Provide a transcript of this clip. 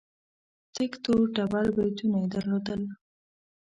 تک تور ډبل برېتونه يې درلودل.